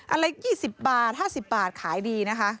อันเล็ก๒๐บาท๕๐บาทขายดีนะคะ